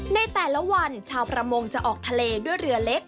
ในแต่ละวันชาวประมงจะออกทะเลด้วยเรือเล็ก